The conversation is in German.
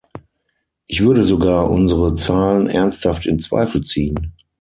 Ich würde sogar unsere Zahlen ernsthaft in Zweifel ziehen.